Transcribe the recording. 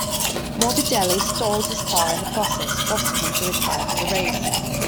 Morbidelli stalled his car in the process, forcing him to retire from the race.